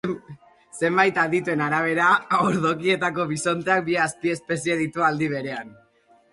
Zenbait adituen arabera, Ordokietako bisonteak bi azpiespezie ditu aldi berean.